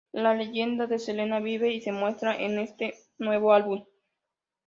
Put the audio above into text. La leyenda de Selena vive y se muestra en este nuevo álbum.